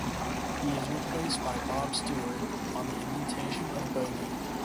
He is replaced by Bhob Stewart on the invitation of Bodé.